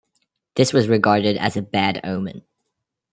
This was regarded as a bad omen.